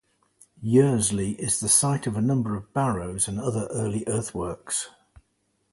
Yearsley is the site of a number of barrows and other early earthworks.